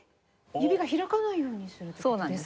指が開かないようにするって事ですか？